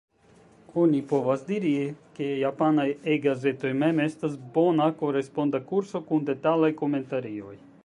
Oni povas diri, ke japanaj E-gazetoj mem estas bona koresponda kurso kun detalaj komentarioj.